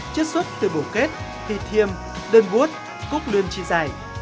chất xuất từ bổ kết thịt thiêm đơn bút cốt lươn chi dài